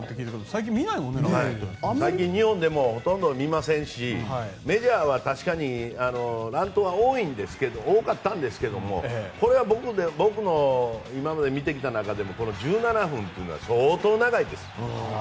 最近、日本でもほとんど見ませんしメジャーは確かに乱闘は多かったんですけどこれは僕の今まで見てきた中でもこの１７分というのは相当長いです。